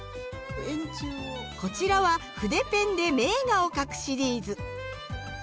こちらは筆ペンで名画を描くシリーズ。